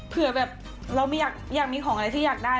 เผื่อแบบเราอยากมีของอะไรที่อยากได้